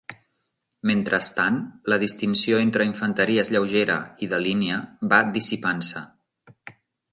Mentrestant, la distinció entre infanteries lleugera i de línia va dissipant-se.